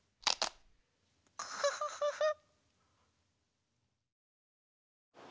クフフフフ。